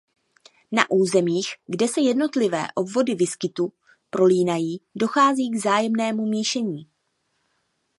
Na územích kde se jednotlivé obvody výskytu prolínají dochází k vzájemnému míšení.